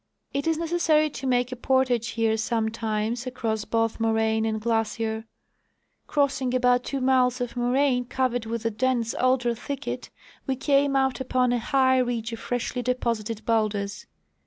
It is necessary to make a portage here sometimes across both moraine and glacier. Crossing about two miles of moraine covered with a dense alder thicket, we came out upon a high ridge of freshly deposited bowlders.